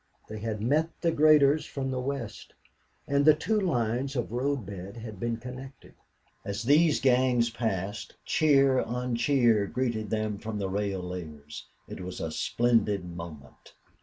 They had met the graders from the west, and the two lines of road bed had been connected. As these gangs passed, cheer on cheer greeted them from the rail layers. It was a splendid moment.